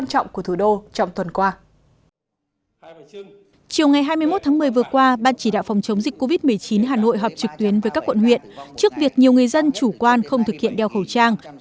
hôm hồi vừa qua ban chỉ đạo phòng chống dịch covid một mươi chín hà nội họp trực tuyến với các bộn nguyện trước việc nhiều người dân chủ quan không thực hiện đeo khẩu trang